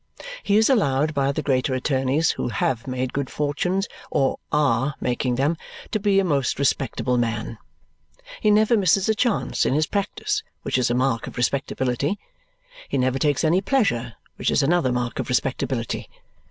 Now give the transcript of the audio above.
He is allowed by the greater attorneys who have made good fortunes or are making them to be a most respectable man. He never misses a chance in his practice, which is a mark of respectability. He never takes any pleasure, which is another mark of respectability.